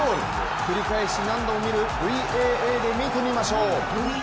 繰り返し何度も見るＶＡＡで見てみましょう。